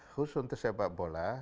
khusus untuk sepak bola